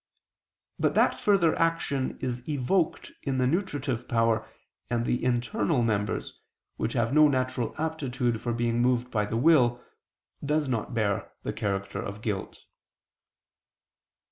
But that further action is evoked in the nutritive power and the internal members, which have no natural aptitude for being moved by the will, does not bear the character of guilt.